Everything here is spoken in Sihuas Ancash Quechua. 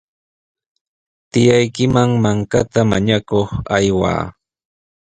Tiyaykiman mankata mañakuq ayway.